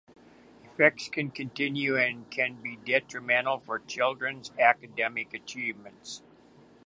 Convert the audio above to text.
Effects can continue and can be detrimental for children's academic achievements.